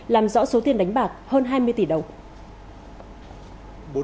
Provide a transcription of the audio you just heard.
làm rõ số tiền đánh bạc hơn hai mươi tỷ đồng